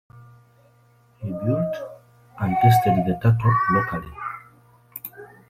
He built and tested the "Turtle" locally.